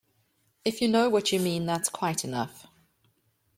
If you know what you mean, that's quite enough.